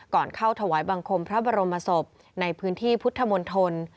ก่อนเข้าถวายบังคมพระบรมศพในพื้นที่พุทธมนตร